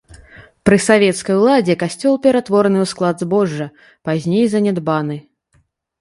Пры савецкай уладзе касцёл ператвораны ў склад збожжа, пазней занядбаны.